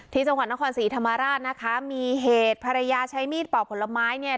ที่จังหวัดนครศรีธรรมราชนะคะมีเหตุภรรยาใช้มีดปอกผลไม้เนี่ย